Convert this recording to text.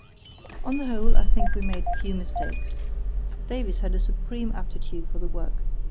On the whole I think we made few mistakes. Davies had a supreme aptitude for the work.